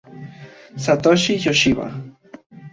Satoshi Yoshida